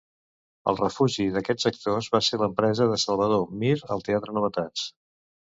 El refugi d'aquests actors va ser l'empresa de Salvador Mir al Teatre Novetats.